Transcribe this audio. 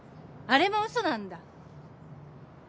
あれも嘘なんだ。